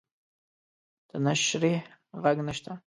د نشریح ږغ نشته